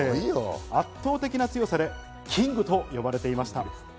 圧倒的な強さでキングと呼ばれていました。